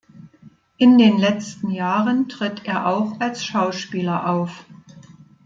In den letzten Jahren tritt er auch als Schauspieler auf.